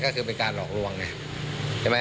ก็คือเป็นการหลอกลวงไงใช่ไหม